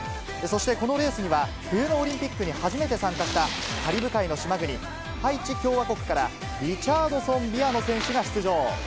そしてこのレースには、冬のオリンピックに初めて参加した、カリブ海の島国、ハイチ共和国から、リチャードソン・ビアノ選手が出場。